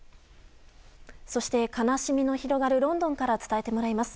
そして悲しみの広がるロンドンから伝えてもらいます。